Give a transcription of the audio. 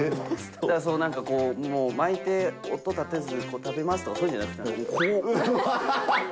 なんかこう、巻いて音を立てず、食べますとか、そういうんじゃなくて、なんか、こう。